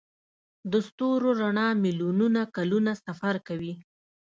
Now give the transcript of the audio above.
د ستورو رڼا میلیونونه کلونه سفر کوي.